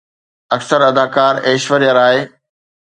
اڪثر اداڪار ايشوريا راءِ